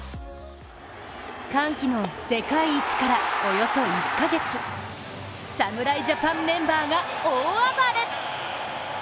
歓喜の世界一からおよそ１か月、侍ジャパンメンバーが大暴れ。